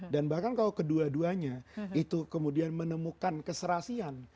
dan bahkan kalau kedua duanya itu kemudian menemukan keserasian